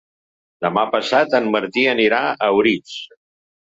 Demà passat en Martí anirà a Orís.